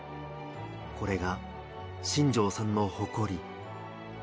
これが新城さんの誇り。